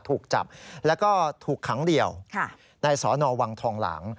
ถูกจับแล้วก็ถูกขังเดียวในสนวังทองหลาง